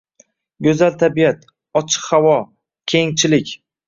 Goʻzal tabiat, ochiq havo, kengchilik